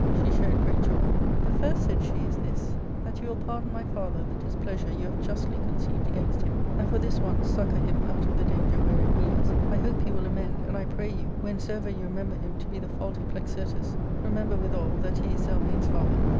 She showed great joy : 'The first,* said she, * is this, that you will pardon my father the dis pleasure you have justly conceived against him, and for this once succour him out of the danger wherein he is : I hope he will amend : and I pray you, whensoever you remember him to be the faulty Plexirtus, remember withal that he is Zel mane*s father.